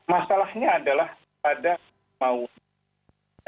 masalahnya adalah pada maun